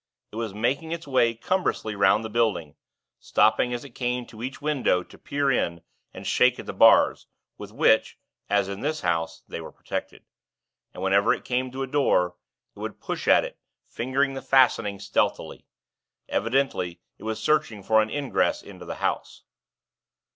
It was making its way, cumbrously 'round the building, stopping as it came to each window to peer in and shake at the bars, with which as in this house they were protected; and whenever it came to a door, it would push at it, fingering the fastening stealthily. Evidently, it was searching for an ingress into the House.